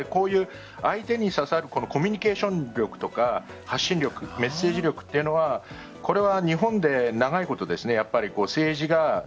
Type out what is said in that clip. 相手に刺さるコミュニケーション力とか発信力メッセージ力というのは日本で長いこと政治家